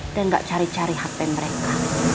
dan gak cari cari hp mereka